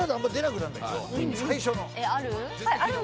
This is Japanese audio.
ある？